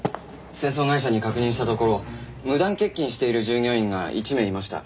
清掃会社に確認したところ無断欠勤している従業員が１名いました。